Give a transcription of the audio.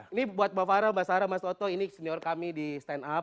ini buat mbak farah mbak sarah mas otto ini senior kami di stand up